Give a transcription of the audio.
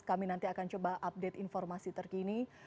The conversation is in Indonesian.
kami nanti akan coba update informasi terkini